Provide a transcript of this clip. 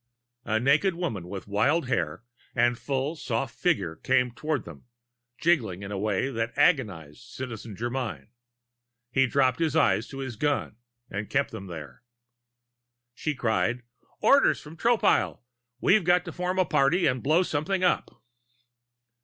A naked woman with wild hair and a full, soft figure came toward them, jiggling in a way that agonized Citizen Germyn. He dropped his eyes to his gun and kept them there. She cried: "Orders from Tropile! We've got to form a party and blow something up."